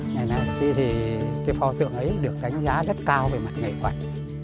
ngày nay thì cái pho tượng ấy được đánh giá rất cao về mặt nghệ thuật